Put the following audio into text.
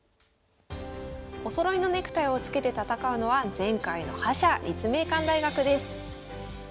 おそろいのネクタイを着けて戦うのは前回の覇者立命館大学です。